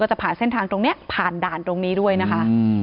จะผ่านเส้นทางตรงนี้ผ่านด่านตรงนี้ด้วยนะคะ